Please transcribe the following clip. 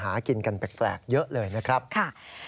ขากินกันแตกแกรกเยอะเลยนะครับค่ะ